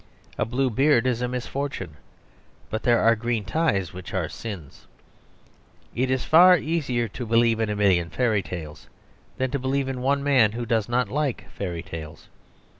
A blue beard is a misfortune; but there are green ties which are sins. It is far easier to believe in a million fairy tales than to believe in one man who does not like fairy tales.